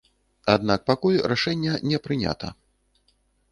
Аднак пакуль рашэння не прынята.